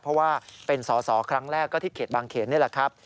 เพราะว่าเป็นสอสอครั้งแรกก็ที่เขตบางเขนนี่แหละครับ